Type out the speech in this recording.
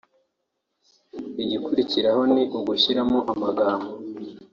igikurikiraho ni ugushyiramo amagambo